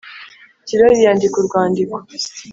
Tiroli yandika urwandiko